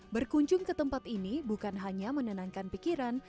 berkunjung ke tempat ini bukan hanya menenangkan pikiran